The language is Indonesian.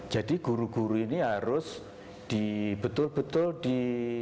jadi guru guru ini harus di betul betul di